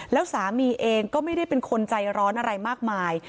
แล้วสามีเองก็ไม่ได้เป็นคนใจร้อนอะไรมากมาย